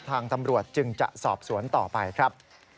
ทางตำรวจจึงจะสอบสวนต่อไปครับ